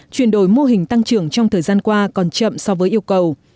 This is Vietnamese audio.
chuyển đổi mô hình tăng trưởng trong thời gian qua còn chậm so với yêu cầu